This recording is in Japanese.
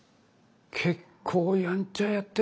結構やんちゃやってたか。